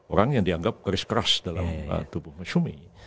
orang yang dianggap garis keras dalam tubuh masyumi